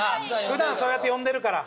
普段そうやって呼んでるから。